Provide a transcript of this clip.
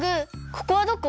ここはどこ？